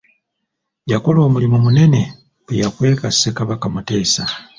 Yakola omulimu munene bwe yakweka Ssekabaka Muteesa.